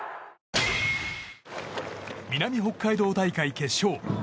南北海道大会決勝。